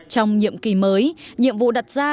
trong nhiệm kỳ mới nhiệm vụ đặt ra